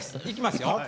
いきますよ。